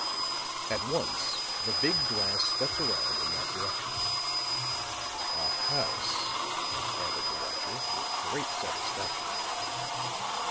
At once the big glass swept around in that direction. "A house," added the watcher, with great satisfaction.